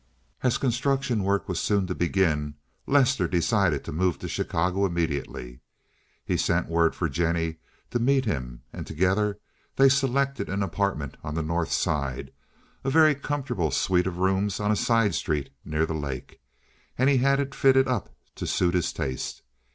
As construction work was soon to begin, Lester decided to move to Chicago immediately. He sent word for Jennie to meet him, and together they selected an apartment on the North Side, a very comfortable suite of rooms on a side street near the lake, and he had it fitted up to suit his taste.